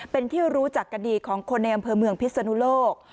เป็นที่รู้จักกันดีของคนในอำเภอเมืองพิศนุโลก